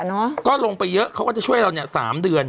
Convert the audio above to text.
เพราะฉะนั้นก็ลงไปเยอะเขาก็จะช่วยเราสามเดือน